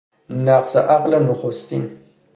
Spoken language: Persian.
نقص عقل نخستین